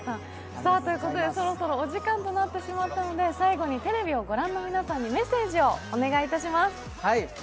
お時間となってしまったので最後にテレビをご覧の皆さんにメッセージをお願いいたします。